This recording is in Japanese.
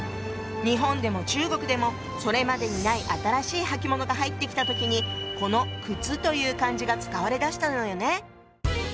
日本でも中国でもそれまでにない新しい履物が入ってきた時にこの「靴」という漢字が使われだしたのよね。